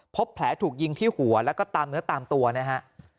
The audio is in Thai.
พบแผลถูกยิงที่หัวแล้วก็ตามเนื้อตามตัวนะฮะ